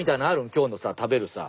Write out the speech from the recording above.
今日のさ食べるさ。